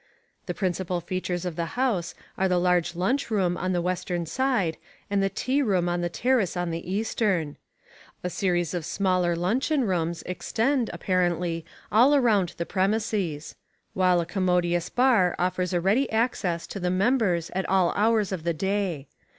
The principal features of the House are the large lunch room on the western side and the tea room on the terrace on the eastern. A series of smaller luncheon rooms extend (apparently) all round about the premises: while a commodious bar offers a ready access to the members at all hours of the day.